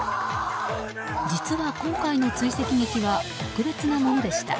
実は今回の追跡劇は特別なものでした。